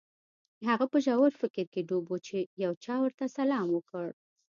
هغه په ژور فکر کې ډوب و چې یو چا ورته سلام وکړ